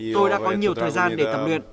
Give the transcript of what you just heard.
tôi đã có nhiều thời gian để tập luyện